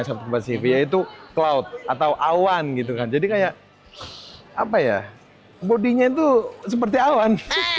seperti pasifi yaitu cloud atau awan gitu kan jadi kayak apa ya bodinya itu seperti awan